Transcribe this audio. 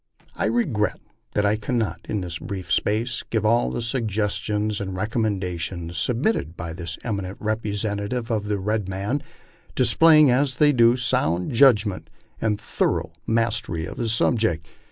I regret that I cannot, in this brief space, give all the suggestions and re commendations submitted by this eminent representative of the red man, dis playing as they do sound judgment and thorough mastery of his subject.